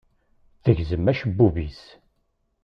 Tegzem acebbub-is.